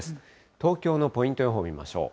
東京のポイント予報を見ましょう。